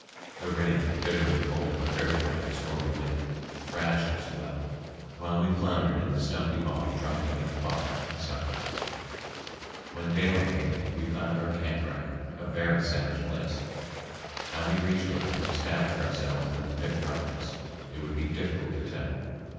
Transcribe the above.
The rain, bitterly cold and driven by a stormy wind, thrashed us well while we floundered in the stumpy bog trying to make a fire and supper. When daylight came we found our camp ground a very savage place. How we reached it and established ourselves in the thick darkness it would be difficult to tell.